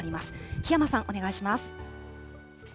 檜山さん、お願いします。